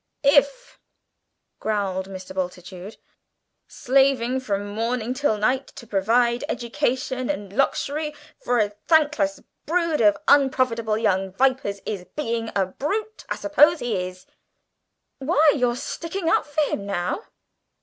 "If," growled Mr. Bultitude, "slaving from morning till night to provide education and luxury for a thankless brood of unprofitable young vipers is 'being a brute,' I suppose he is." "Why, you're sticking up for him now!"